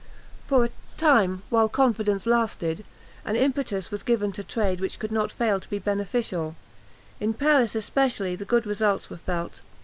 For a time, while confidence lasted, an impetus was given to trade which could not fail to be beneficial. In Paris especially the good results were felt.